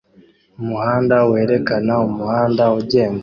Umuhanda werekana umuhanda ugenda